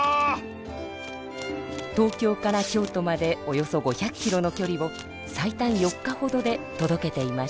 東京から京都までおよそ５００キロのきょりを最短４日ほどでとどけていました。